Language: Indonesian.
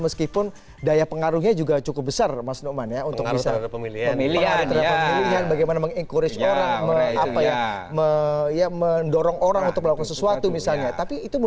meskipun daya pengaruhnya juga cukup